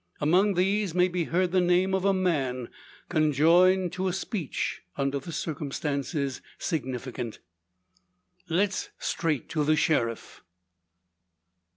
Among these may be heard the name of a man, conjoined to a speech, under the circumstances significant: "Let's straight to the Sheriff!"